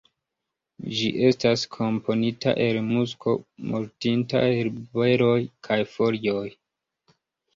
Ĝi estas komponita el musko, mortinta herberoj kaj folioj.